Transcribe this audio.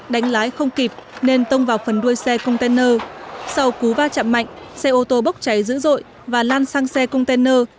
đánh lái không kịp nên tông vào phần đuôi xe container sau cú va chạm mạnh xe ô tô bốc cháy dữ dội và lan sang xe container